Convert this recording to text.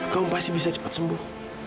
kau pasti bisa cepat sembuh